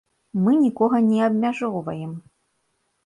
Мы нікога не абмяжоўваем.